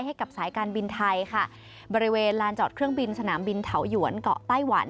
ให้กับสายการบินไทยค่ะบริเวณลานจอดเครื่องบินสนามบินเถาหยวนเกาะไต้หวัน